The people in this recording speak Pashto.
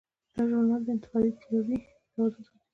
دا ژورنال د انتقادي تیورۍ توازن ساتي.